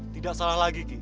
tidak salah lagi ki